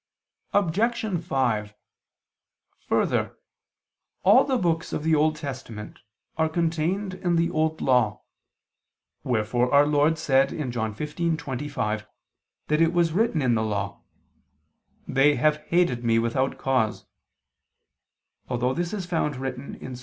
Obj. 5: Further, all the books of the Old Testament are contained in the Old Law; wherefore Our Lord said (John 15:25) that it was written in the Law: "They have hated Me without cause," although this is found written in Ps.